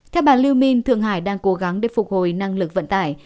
theo bà lưu minh thượng hải đang cố gắng để phục hồi năng lực vận tải